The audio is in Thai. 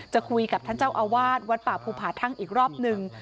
คุยกับท่านเจ้าอาวาสวัดป่าภูผาทั่งอีกรอบนึง